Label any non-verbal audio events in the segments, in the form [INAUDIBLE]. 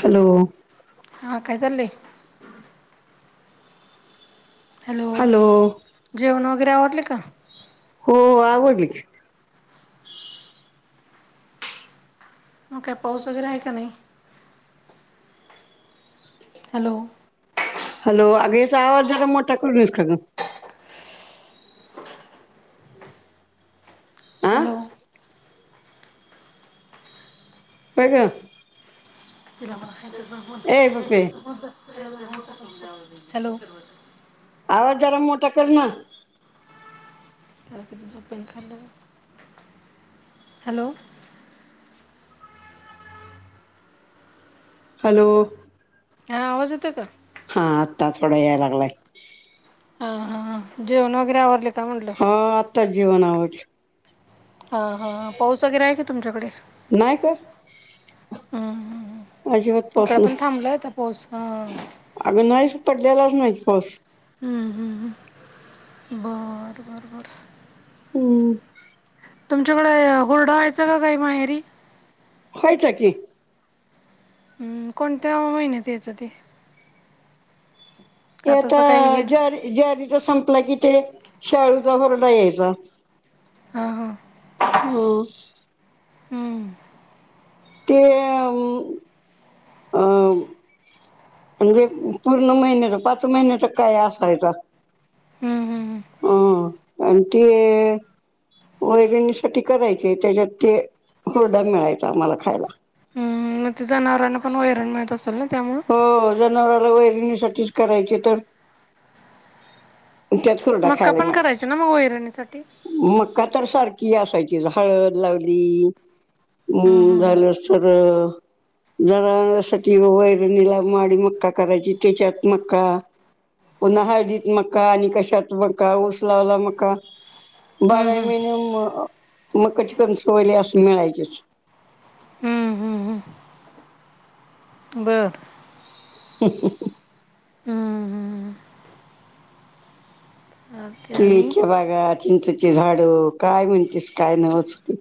Hello हां काय चाललंय? हॅलो जेवण वगैरे आवरले का? हो आवडली. हाव काय पाऊस वगैरे आहे का नाही? हॅलो हॅलो अगं याचा आवाज जरा मोठा करूनस का ग. हा हॅलो काय ग? ए पप्पे [UNINTELLIGIBLE] हॅलो आवाज जरा मोठा कर. [UNINTELLIGIBLE] हॅलो हॅलो हा आवाज येतोय का? हा आत्ता थोडं या लागलाय. हा हा हा जेवण वगैरे आवरले का म्हणलं? हा आत्ताच जेवण आवरलं. हां हां पाऊस वगैरे आहे का तुमच्याकडे? नाही का हम्म हम्म अजिबात हम्म पाऊस इकड पण नाही थांबलाय आता पाऊस हा अगं नाही पडलेलाच नाही पाऊस. हम्म हम्म हम्म बरं बरं बरं हम्म. तुमच्याकडे, हुरडा व्हायचं का काही माहेरी? हाईत की. हम्म, कोणत्या महिन्यात यायचं ते? ते का आता तसं काही हे ज्ारी, ज्वारीचा संपला कि ते, शाळूचा होरडा यायचा. हां हां. हम्म. हां ते, अम्म. म्हणजे, पूर्ण महिन्याच पाच महिन्याच काय असायचं? हम् हम् ह. ह आणी ते. वैरणीसाठी करायचे, त्याच्यात ते हुरडा मिळायचा आम्हाला खायला. म ते जनावरांना पण वैरण मिहत असेल ना त्यामुळं. हो, जनावराला वैरणीसाठीच करायचे तर. चट खुरडा मका खायला पण मिळायचा. करायचे ना मग वैरणीसाठी मक्का तर सारखी असायची, हळद लावली हम्म झालं तर, जनावरांसाठी वाई ला माडी मक्का करायची, त्याच्यात मक्का पुन्हा हळदीत मका आणि कशात मका, ऊस लावला मका, हम्म बारा हि हम्म महिने, म मक्याची कणस वगैरे असलं मिळायचेच. हम्म हम्म हम्म हम्म बर. ह हं ह. हम्म हम्म चालतंय आणि केळीच्या बागात चिंचेंची झाडं, काय म्हणतीस काय म्हणतीस काय नव्हच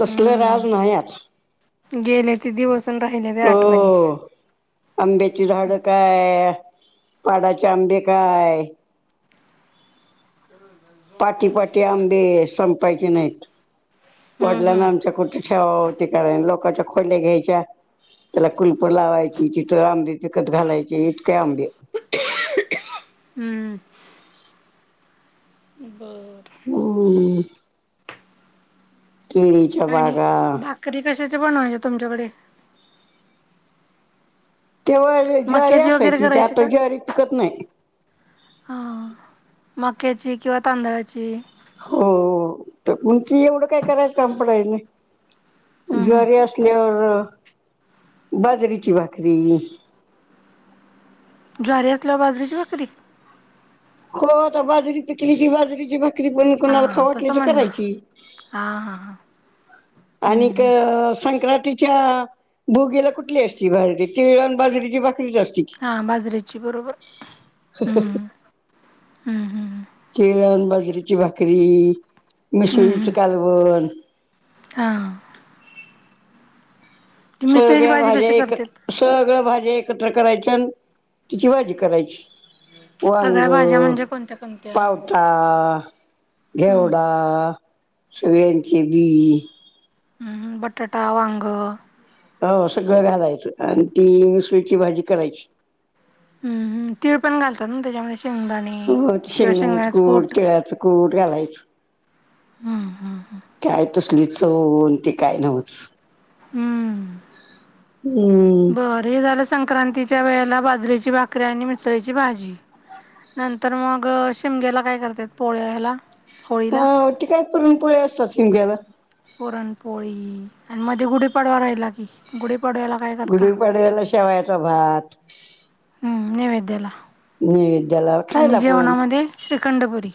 तसलं राज हम्म नाही आता. गेले ते दिवस. अन् राहिल्या हो. त्या आठवणी आंब्याची झाडं काय, पाडाचे आंबे काय, पाटी पाटी आंबे संपायचे नाहीत. हम्म वडलानां हम्म आमच्या कुठं ठेवावं ते कळाय लोकाच्या खोल्या घ्यायच्या त्याला कुलप लावायची जिथं आंबे पिकत घालायचे इतके आंबे हम्म. हो. केळीच्या बागा कधी कशाचे बनवायचे तुमच्याकडे? तेव्हा लै ज्वारी मक्याची वगैरे असायची, ते करायची आता ज्वारी पिकत नाही. हां. मक्याची किंवा तांदळाची. हो, हो. त [UNINTELLIGIBLE] एवढं काय करायचं काम पडायचं नाही. हम्म ज्वारी हम्म असल्यावर, बाजरीची भाकरी. ज्वारी असल्यावर बाजरीची भाकरी? हो आता बाजरी पिकली की, बाजरीची भाक करी पण हा कुणाला खावू वाटली तसं तर म्हण ना करायची. हा हा हा हम्म आणि क हम्म संक्रातीत च्या भोगी ला कुठली असती भाजी तीळ अन बाजरीची भाकरीच असती. हा बाजरी ची बरोबर हम्म. हम्म हम्म तळण बाजरीची भाकरी, हम्म मिसळीच हम्म कालवण. हा. ती मिसळीची सगळ्या भाजी भाज्या कशी एक, करत्यात? सगळ्या भाज्या एकत्र करायच्यान तिची भाजी करायची. वांग, सगळ्या भाज्या म्हणजे कोणत्या कोणत्या? पावटा, हम्म घेवडा सगळयांचे बी. हम् बटाटा, वांग, - हो सगळं घालायचं आणि ती सुक्की भाजी करायची. हम्म तीळ पण घालतात ना त्याच्यामध्ये शेंगदाणे. हो किंवा शेंगदाणाच शेंगदाण्याच कूट, तिळ्याचं कूट घालायच. हम्म हम् ह. काय तसली चव ते काय नव्हच. हम्म, हम्म बर हे झालं संक्रांतीच्या वेळेला बाजरेची भा कऱ्या आणि मिसळीची भाजी. नंतर मग शिमग्याला काय करतेात पोळ्य हेला? हो ति काय पुरून पोळ्या असतात शिमग्याला. पुरणपोळी आणि मध्ये गुढीपाडवा राहिला की गुडी पाडव्या ला. गुडी पाडव्यला शेवायचा भात. हम्म नैव्यद्याला. नैवेद्याला, खायला पण. श्रीखंड, पुरी.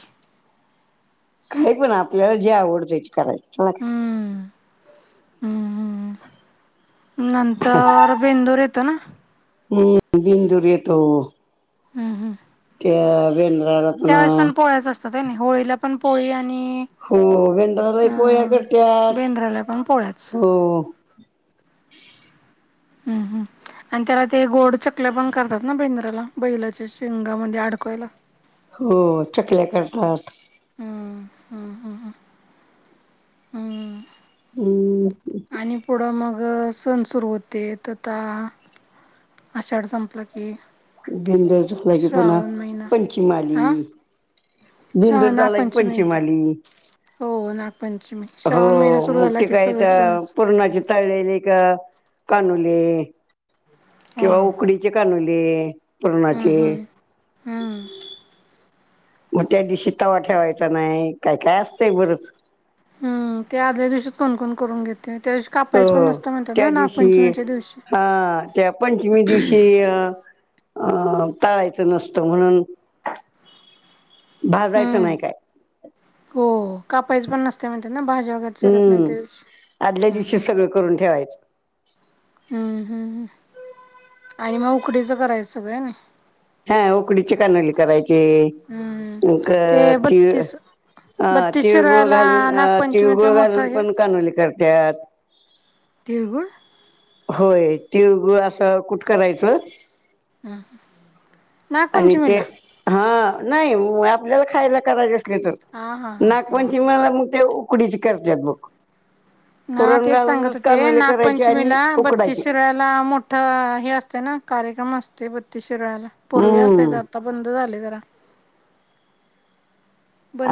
काही पण आपल्याला जे आवडतंय ते करायचं, त्याला काय. हम्म हम्म हम्म नंतर बेंदूर येतो ना? बिंदूर येतो. हम् हम्. अ बेंदरा [UNINTELLIGIBLE] त्यावेेळेस पण पोळ्याच असतात व्हय नी होळीला पण पोळी आणि हो बेंद्रालाही पोळया अं करत्यात, बेंद्राला पण पोळ्याच हो. [INAUDIBLE] आण त्याला ते गोड चकल्या पण करतात ना बेंद्राला बैलाच्या शेंगामध्ये अडकवायला. हो चकल्या करतात. हम्म हम्म हम हम. हम्म. आणि पुढं मग सण सुरू होतेत [UNINTELLIGIBLE] आषाढ संपला की. बेंदुर झाला की पुन्हा श्रावण महिना पंचमी आली. हा बेंदुर हा झाला की नागपंचमी पंचमी येती आली. हो नागपंचमी. हो श्रावण महिना सुरू झाला मोठी की काय सगळे तर सणच पुरणाची तळलेले का कानुले किंवा हा. उकडी चे कानुले हम्म पुरणाचे. हम्म हम्म. म त्या दिवशी तवा ठेवायचा नाय काय-काय असतंय बरंच. मग ते आदल्या दिवशी कोणकोण करून घेते त्या दिवशी हो कापायचं पण नसतं म्हणतात ना त्या दिवशी नागपंचमीच्या दिवशी. हा त्या पंचमी दिवशी अ अ [UNINTELLIGIBLE] तळायचं नसतं म्हणून. भाजायचं हम्म नाही काय. हो कापायचं पण नसते म्हणते ना भाज्या वगैर. हम्म आदल्या दिवशी सगळं करून ठेवायचं. हम्म, हम, आणि मग उकडीचं करायचं काय. हा उकडीचे कानुले करायचे, हम्म. मग ते तिळ बत्तीस अ बत्तीस तिळगुळ शिराळ्याला घालून, अ नागपंचमीच तिळगुळ घालून मोठं हे पण कानुले करत्यात. तिळगुळ? होय, तिळगुळ असं कुट करायचं. हा. आणि ते, हा, नाही आपल्याला खायला करायचे असले तर हा हा हा हा. नागपंचमीला मग ते उकडीचे करत्यात बघ. हा पुरण तेच सांगत घालूनच होते कानुले करायचे, आणि उकडायचे. नेट मोठा हे असतोय ना, कार्यक्रम असतोय. बत्तीस शिराळाला पूर्वी हम्म असायचा आता बंद झाले जरा.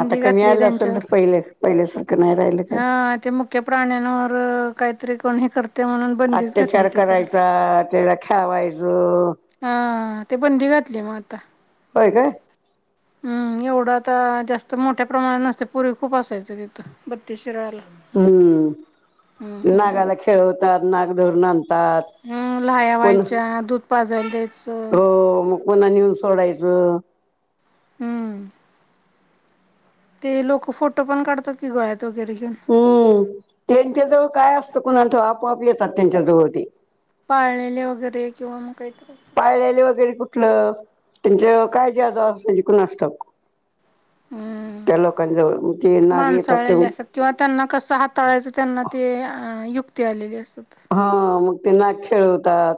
आता कमी घातलीये आलं असेल तर त्यांच्यावर पहिले पहिल्यासारखं नाही राहिलं काय. हा ते मग मुख्या प्राण्यांवर काहीतरी कोणी करत अत्याचार करायचा त्याला खेळवायचं. हा ते बंदी घातलीये नव्हं मग आता. व्हय काय? हम्म एवढं तर. जास्त मोठ्या प्रमाणात नसते, पूर्वी खूप असायचं तिथं बत्तीस शिराळयाला. हम्म हम्म नागाला खेळवतात, नाग धरून आणतात. हम् लाह्या पण व्हायच्या, दूध पाजायला द्यायचं. हो मग पुन्हा न्यूउन सोडायचं. हम्म ते लोकं फोटो पण काढतात की, गळ्यात वगैरे घ्यून. हम् त्यांच्याजवळ काय असतं कुणालठाव आपो-आप येतात त्यांच्याजवळ ते पाळलेले वगैरे किंवा, मग काहीतर असं. पाळलेले वगैरे कुठलं त्यांच्यावर काय जादू असायची कुणास ठाऊक. हम्म त्या लोकांजवळ तेे ना येतात ते माणसाळलेले असतात किंवा त्यांना कसं हाताळायचं त्यांना ते, युक्ती आलेली असत. हा मग तेना खेळवतात.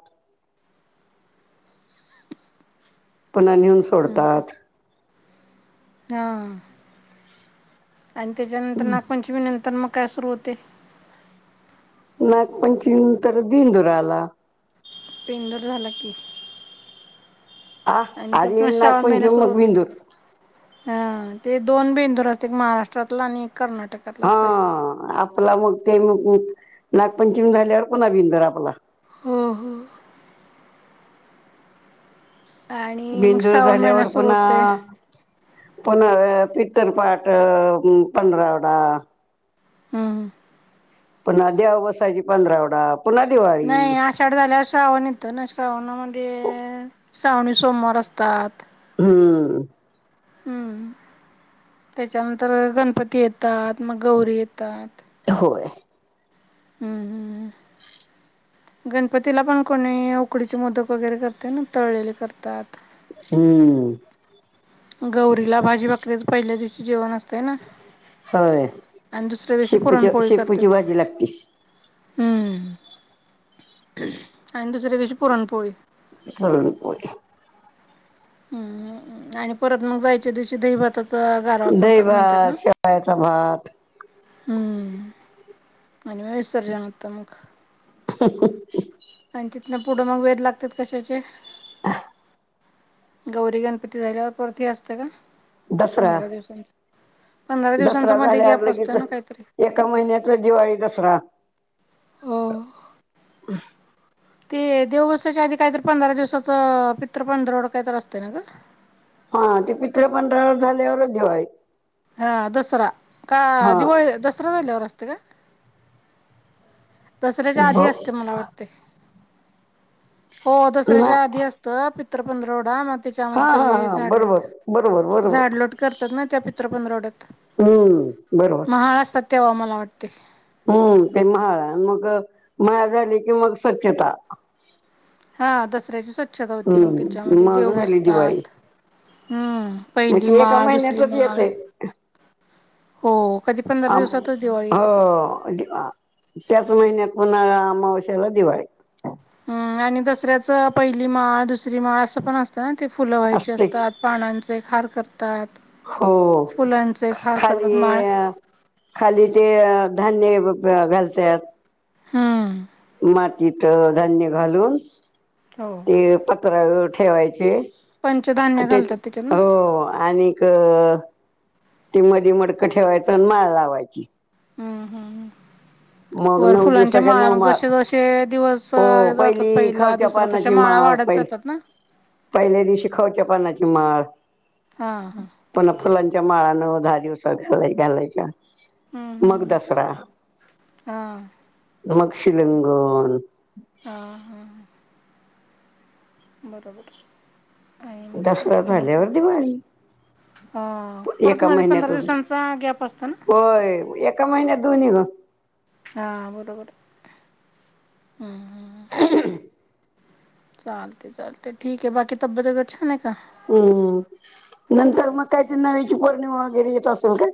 पुन्हा नेऊन हम्म सोडतात. हा आणि त्याच्यानंतर नागपंचमी नंतर मग काय सुरू होते. नागपंचमी नंतर बेंदूर आला. बेंदूर झाला की. आ आणिंत आज तिथंन येईल श्रावण महिने नागपंचमी सुरु मग होतय. बिंदूर अ ते दोन बेंदूर असत्यात एक महाराष्ट्रातला आणि एक कर्नाटकातला असं हाय. हा आपला मुख्य बेंदूर, नागपंचमी झाल्यावर पुन्हा बिंदर आपला. हो हो. आणि मग बिंदूर श्रावण महिना झाल्यावर सुरू पुन्हा होते पन पित्तर पाठ पंधरावडा. हम्म. पण देव बसायची पंधरावडा. पुन्हा दिवाळी नाही आशाड झाल्यावर श्रावण येतो ना, श्रावण, मग श्रावणी सोमवार असतात. हम्म. हम्म, त्याच्यानंतर गणपती येतात, मग गौरी येतात. होय. [UNINTELLIGIBLE] हम्म हम्म. गणपतीला पणं कोणी उकडीचे मोदक वगैरे करते ना तळलेले करतात. हम्मं गौरीला भाजी भाकरीच पहिल्या दिवशी जेवणं असतें ना होय आणि दुसऱ्या दिवशी शेपूची पुरणपोळी करतात. शेपूची भाजी लागते हम्मं आणि दुसरी कशी पुरणपोळी आकय [UNINTELLIGIBLE] हम्मं आणि परत मगं जायच्या दिवशी दहीभाताचा गारवा करतात म्हणतात ना दहीचा भात हम्मं आणि मगं विसर्जन नंतर मगं ह आणि तिथन पुढं मगं वेद लागतात कशाचे गौरी गणपती झाल्यावर परती असतें कां दसरा पंधरा दिवसांच पंधरा दिवसांचा दसरा मध्यें झाल्यावर गॅप लगेच असतं ना कांहीतरी एका महिन्याचा दिवाळी दसरा हो. ते देवबसाच्या आधी काहीतरी पंधरा दिवसाचं पित्र पंधरवढं काहीतरी असतं ना गं हां ते पित्र पंढरा झाल्यावरच जेवायचं हां दसरा कां हा दिवाळी दसरा झाल्यावर असतें कां दसऱ्याच्या आधी ब असतें मला वाटतें हो दसऱ्याच्या आधी नाही असतें. पित्र पंधरवडा मगं हा त्याच्यामध्ये हा सगळें हा बरोबर झाडलोट बरोबर बरोबर झाडलोट करतात ना त्या पित पीत्र पंदरवढ्यात हम्मं बरोबर तेंव्हा मला वाटतें. हम्मं ते महाळ मगं मया झालीं की मगं स्वच्छता, हां दसऱ्याची स्वच्छता होती मगं हम्म त्याच्यामध्ये मग देवं झाली दिवाळी बसतात. हम्मं मग पहिली ती एका माळ, दुसरी महिन्यातच माळ येते हो कधीं पणं आम हो त्याचं महिन्यांत होणा अमावश्याला दिवाळी हम्मं आणि दसऱ्याच पहिली माळ, दुसरी माळ असं पणं असतं ना, ते फुलं व्हायची असते असतांत. पानांचे खार करतात. हो फुलांचे खार खाली करतात माळ खाली ते धान्य घालत्यात. हम्मं. मातीत धान्यं घालून. हो देवं पत्रावळ्या वर ठेवायचे पंचधान्य घालतात त्याच्यात ना हो आणि अं ते मडीमडक ठेवायचं आणि माळ लावायची. हम्मं हम्मं हम्मं मग वरं नऊ फुलांच्या दिवसाच्या माळा नऊ मगं माळ जसे जसे दिवस हो जातात पहिली पहिला दु खावच्या तरं तश्या पानाची माळा माळ वाढतं पहिली जातात ना. पहिल्या दिवशी खाऊच्या पनाची माळ हां हां. पुन्हा फुलांच्या माळा नऊ दहा दिवसांत घाला घालायच्या हम्म मग हम्म दसरा हा मग शिलिंगन. हा हा ह बरोबर. आणि मग दसरा तिथनं झाल्यावर दिवाळी. हा पण परत एका मध्ये पंधरा महिन्यातच दिवसांचा गॅप असतो ना होय एका महिन्यात दोन्ही ग. हा बरोबर हम् हू [UNINTELLIGIBLE] चालते चालते ठीक आहे बाकी तब्येत वगैर छान आहे का? हम्म नंतर मग काय ते नव्याची पौर्णिमा वगैरे येत असेल काय.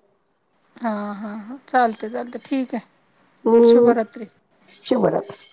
हां हा ह चालते चालते ठीक आहे शुभरात्री. शुभरात्री